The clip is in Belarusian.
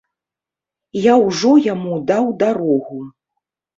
Я ўжо яму даў дарогу.